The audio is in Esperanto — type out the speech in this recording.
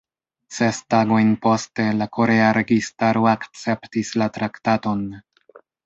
Ses tagojn poste, la korea registaro akceptis la traktaton.